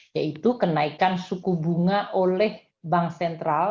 yaitu kenaikan suku bunga oleh bank sentral